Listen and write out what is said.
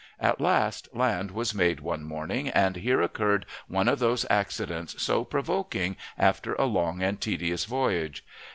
At last land was made one morning, and here occurred one of those accidents so provoking after a long and tedious voyage.